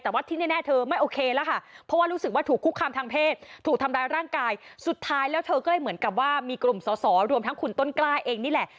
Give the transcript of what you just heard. แต่ว่าที่แน่เธอไม่โอเคแล้วค่ะเพราะว่ารู้สึกว่าถูกคุกคามทางเพศถูกทำร้ายร่างกายสุดท้ายแล้วเธอก็เลยเหมือนกับว่ามีกลุ่มสอสอรวมทั้งคุณต้นกล้าเองนี่แหละ